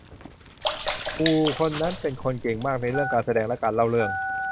ครูคนนั้นเป็นคนเก่งมากในเรื่องการแสดงและการเล่าเรื่อง